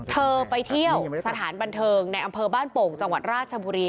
เธอไปเที่ยวสถานบันเทิงในอำเภอบ้านโป่งจังหวัดราชบุรี